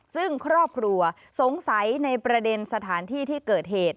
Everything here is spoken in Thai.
ซึ่งครอบครัวสงสัยในประเด็นสถานที่ที่เกิดเหตุ